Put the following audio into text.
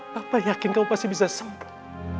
papa yakin kamu pasti bisa sembuh